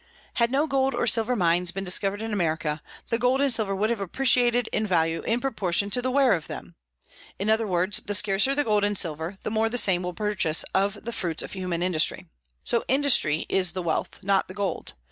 Had no gold or silver mines been discovered in America, the gold and silver would have appreciated in value in proportion to the wear of them. In other words, the scarcer the gold and silver the more the same will purchase of the fruits of human industry. So industry is the wealth, not the gold.